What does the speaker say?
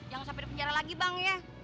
jangan sampai di penjara lagi bang ya